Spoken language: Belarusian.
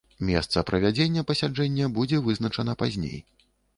Месца правядзення пасяджэння будзе вызначана пазней.